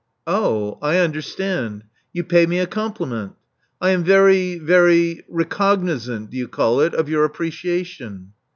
Oh, I understand. You pay me a compliment. I am very — very recognizant, do you call it? — of your appreciation."